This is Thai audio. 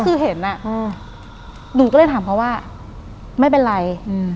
ก็คือเห็นอ่ะอืมหนูก็เลยถามเขาว่าไม่เป็นไร